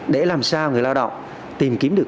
để làm sao người lao động tìm kiếm được